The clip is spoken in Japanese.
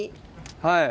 はい。